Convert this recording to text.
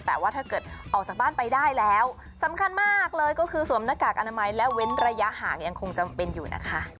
แต่ว่าถ้าเกิดออกจากบ้านไปได้แล้วสำคัญมากเลยก็คือสวมหน้ากากอนามัยและเว้นระยะห่างยังคงจำเป็นอยู่นะคะ